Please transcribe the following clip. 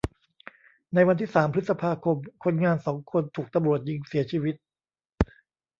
ในวันที่สามพฤษภาคม คนงานสองคนถูกตำรวจยิงเสียชีวิต